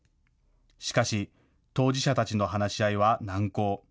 しかし当事者たちの話し合いは難航。